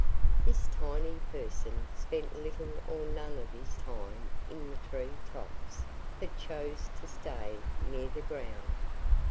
This tiny person spent little or none of his time in the tree tops, but chose to stay near the ground.